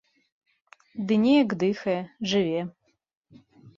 Ды неяк дыхае, жыве.